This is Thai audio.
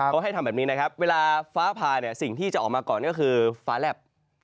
ก็ให้ทำแบบนี้เวลาฟ้าผ่าสิ่งที่จะออกมาก่อนก็คือฟ้าแหลบ